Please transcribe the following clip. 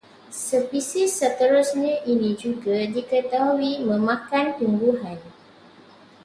Spesies seterusnya ini juga diketahui memakan tumbuhan